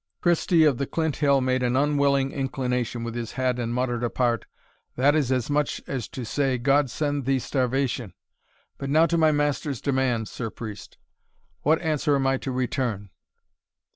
Christie of the Clinthill made an unwilling inclination with his head, and muttered apart, "that is as much as to say, God send thee starvation, But now to my master's demand, Sir Priest? What answer am I to return?"